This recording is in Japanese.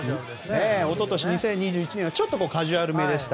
一昨年、２０２１年はちょっとカジュアルめでした。